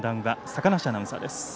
坂梨アナウンサーです。